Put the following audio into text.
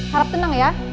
harap tenang ya